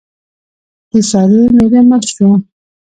د سارې مېړه مړ شو.